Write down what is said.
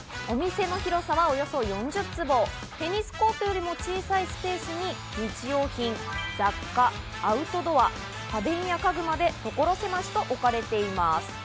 お店の広さはおよそ４０坪、テニスコートよりも小さいスペースに日用品、雑貨、アウトドア、家電や家具まで所狭しと置かれています。